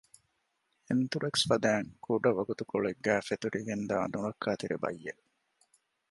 އެންތުރެކްސް ފަދައިން ކުޑަ ވަގުތުކޮޅެއްގައި ފެތުރިގެންދާ ނުރައްކާތެރި ބައްޔެއް